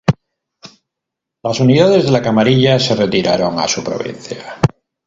Las unidades de la camarilla se retiraron a su provincia.